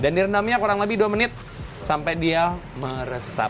dan direndamnya kurang lebih dua menit sampai dia meresap